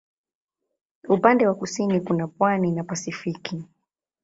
Upande wa kusini kuna pwani na Pasifiki.